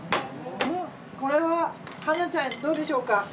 これは花ちゃんどうでしょうか？